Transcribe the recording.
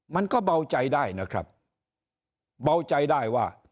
มันก็เบาใจได้นะครับเบาใจได้ว่า